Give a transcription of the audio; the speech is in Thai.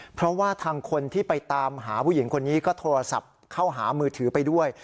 เพราะว่าทางคนที่ไปตามหาผู้หญิงคนนี้ก็โทรศัพท์เข้าหามือถือไปด้วย